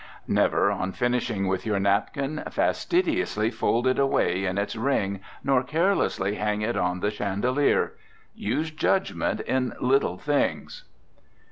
Never, on finishing with your napkin, fastidiously fold it away in its ring, nor carelessly hang it on the chandelier. Use judgment in little things.